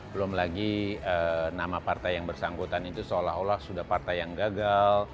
belum lagi nama partai yang bersangkutan itu seolah olah sudah partai yang gagal